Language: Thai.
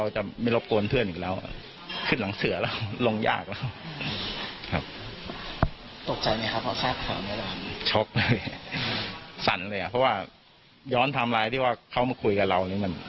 สั่นเลยสั่นเลยอ่ะเพราะว่าย้อนไทม์ไลน์ที่ว่าเขามาคุยกับเรานี่มัน